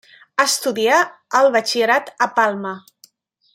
Estudià el batxillerat a Palma.